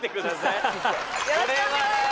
これはよろしくお願いします